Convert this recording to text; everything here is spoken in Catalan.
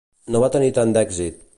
No va tenir tant d'èxit.